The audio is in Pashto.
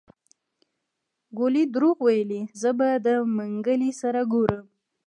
ګولي دروغ ويلي زه به د منګلي سره ګورم.